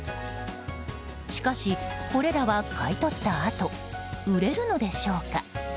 しかし、これらは買い取ったあと売れるのでしょうか？